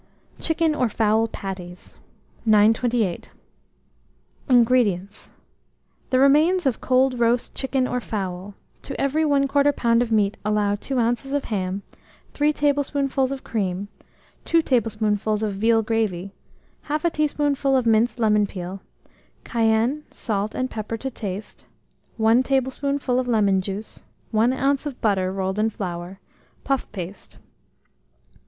CHICKEN OR FOWL PATTIES. 928. INGREDIENTS. The remains of cold roast chicken or fowl; to every 1/4 lb. of meat allow 2 oz. of ham, 3 tablespoonfuls of cream, 2 tablespoonfuls of veal gravy, 1/2 teaspoonful of minced lemon peel; cayenne, salt, and pepper to taste; 1 tablespoonful of lemon juice, 1 oz. of butter rolled in flour; puff paste.